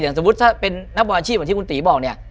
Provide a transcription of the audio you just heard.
อย่างสมมุติถ้าเป็นนักบอร์อาชีพอย่างที่คุณตีบอกเนี่ย